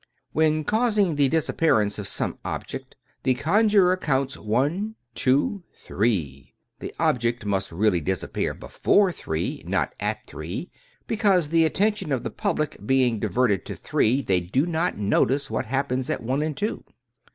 ... When causing the disappearance of some object, the conjurer counts one, two, three; the object must really disappear before three, not at three, because, the attention of the public being di verted to three, they do not notice what happens at one and two.